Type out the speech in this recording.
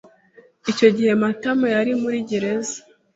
Icyo gihe Matama yari muri gereza.